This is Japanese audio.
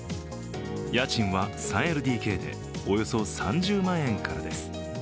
家賃は３ＬＤＫでおよそ３０万円からです。